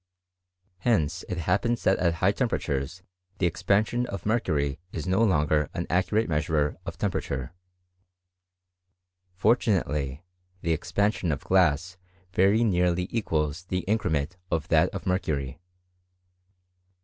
Hence it happens that at high temperatures the expansion of mercury is no longer an accurate measurer of temperature. Fortu nately, the expansion of glass very nearly equals the increment of that of mercury.